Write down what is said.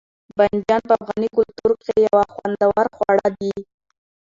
بانجڼ په افغاني کلتور کښي یو خوندور خواړه دي.